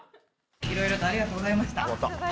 いろいろとありがとうございました。